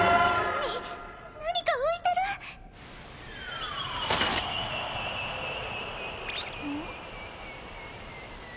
何か浮いてるうん？